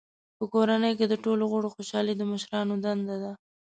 په کورنۍ کې د ټولو غړو خوشحالي د مشرانو دنده ده.